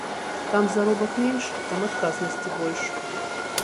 Там заробак менш, там адказнасці больш.